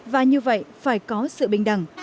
và như vậy phải có sự bình đẳng